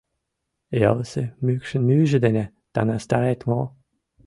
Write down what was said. Ялысе мӱкшын мӱйжӧ дене таҥастарет мо?